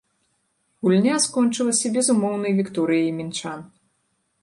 Гульня скончылася безумоўнай вікторыяй мінчан.